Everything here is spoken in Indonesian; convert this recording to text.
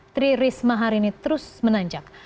tri risma hari ini terus menanjak